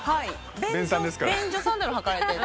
便所サンダル履かれてる。